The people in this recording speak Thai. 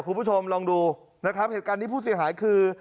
คุณผู้ชมลองดูนะครับเหตุการณ์นี้ผู้เสียหายคือ